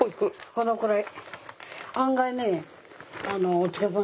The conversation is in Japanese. このくらい。